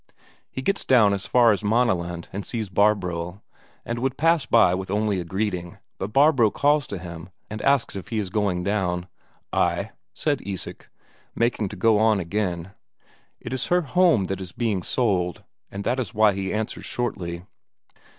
He gets down as far as Maaneland and sees Barbro, and would pass by with only a greeting, but Barbro calls to him and asks if he is going down. "Ay," said Isak, making to go on again. It is her home that is being sold, and that is why he answers shortly.